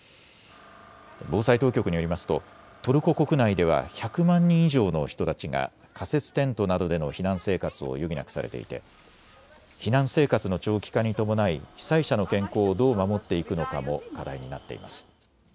防災当局によりますとトルコ国内では１００万人以上の人たちが仮設テントなどでの避難生活を余儀なくされていて避難生活の長期化に伴い被災者の健康をどう守っていくのかも課題になっています。